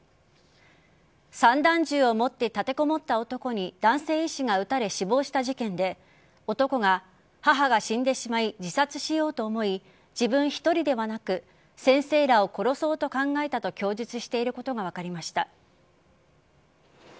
散弾銃を持って立てこもった男に男性医師が撃たれ死亡した事件で男が、母が死んでしまい自殺しようと思い自分１人ではなく先生らを殺そうと考えたと供述していることが分かりました。